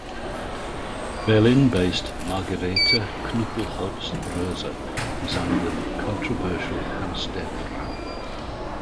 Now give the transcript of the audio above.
Berlin based Margarete Knuppelholz-Roeser designed the controversial Haus Der Frau.